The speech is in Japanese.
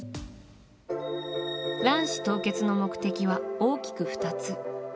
卵子凍結の目的は大きく２つ。